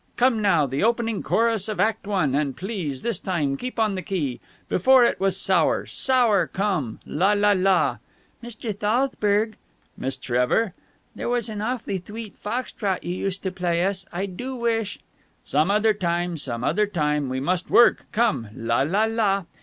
Come now, the opening chorus of Act One, and please this time keep on the key. Before, it was sour, sour Come! La la la...." "Mr. Thalzburg!" "Miss Trevor?" "There was an awfully thweet fox trot you used to play us. I do wish...." "Some other time, some other time! Now we must work. Come! La la la...."